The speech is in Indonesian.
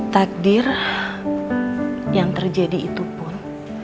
takdir yang terjadi itu pun